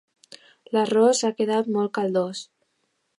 L'arròs ha quedat molt caldós.